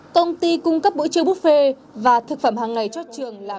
công ty cung cấp buổi chiều buffet và thực phẩm hàng ngày cho trường là